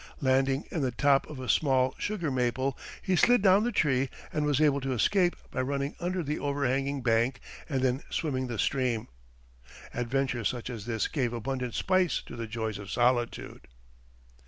Landing in the top of a small sugar maple, he slid down the tree, and was able to escape by running under the overhanging bank and then swimming the stream. Adventures such as this gave abundant spice to the joys of solitude.